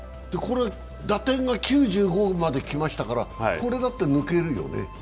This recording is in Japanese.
打点が９５まで来ましたから、これだって抜けるよね。